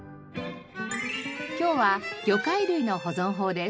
今日は魚介類の保存法です。